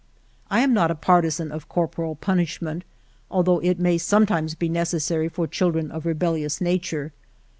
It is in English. I am not a partisan of corporal punishment, although it may some times be necessary for children of rebellious nature.